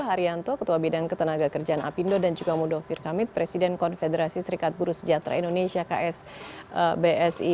haryanto ketua bidang ketenagakerjaan apindo dan juga mudafi rekamit presiden konfederasi serikat buruh sejahtera indonesia ksbsi